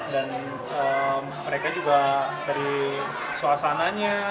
dan mereka juga dari suasananya